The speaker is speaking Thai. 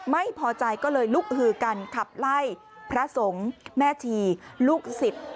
ไม่พอใจก็เลยลุกหือกันขับไล่พระสงฆ์แม่ชีลูกศิษย์